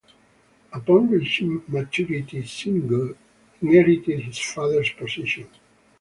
Upon reaching maturity, Sigurd inherited his father's position.